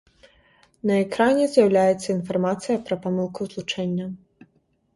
На экране з'яўляецца інфармацыя пра памылку злучэння.